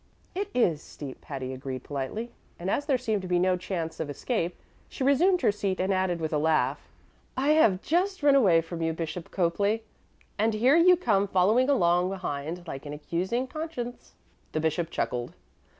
"It is steep," Patty agreed politely; and as there seemed to be no chance of escape, she resumed her seat and added, with a laugh: "I have just run away from you, Bishop Copeley, and here you come following along behind like an accusing conscience." The bishop chuckled.